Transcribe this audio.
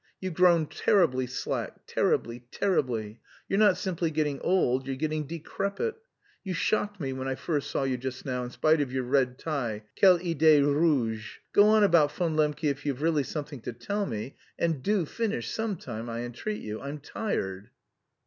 You've grown terribly slack, terribly, terribly! You're not simply getting old, you're getting decrepit.... You shocked me when I first saw you just now, in spite of your red tie, quelle idee rouge! Go on about Von Lembke if you've really something to tell me, and do finish some time, I entreat you, I'm tired."